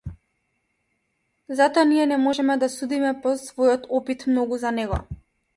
Затоа ние не можеме да судиме по својот опит многу за него.